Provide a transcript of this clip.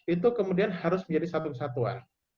itu kemudian harus menjadi satu kesatuan